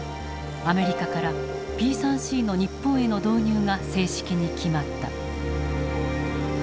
アメリカからＰ３Ｃの日本への導入が正式に決まった。